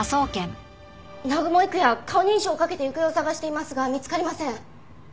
南雲郁也顔認証をかけて行方を捜していますが見つかりません。